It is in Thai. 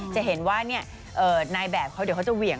จะเห็นว่านายแบบเขาเดี๋ยวเขาจะเหวี่ยง